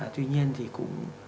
tuy nhiên thì cũng